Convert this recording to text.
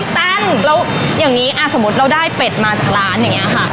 แป้งแล้วอย่างนี้สมมุติเราได้เป็ดมาจากร้านอย่างนี้ค่ะ